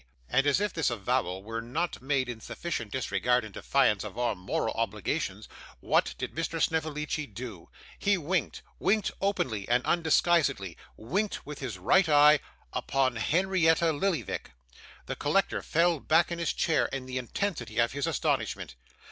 And as if this avowal were not made in sufficient disregard and defiance of all moral obligations, what did Mr. Snevellicci do? He winked winked openly and undisguisedly; winked with his right eye upon Henrietta Lillyvick! The collector fell back in his chair in the intensity of his astonishment.